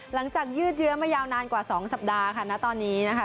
หลังจากยืดเยอะมายาวนานกว่า๒สัปดาห์ค่ะน่ะตอนนี้นะคะ